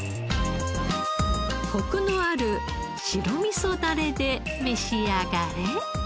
コクのある白みそダレで召し上がれ。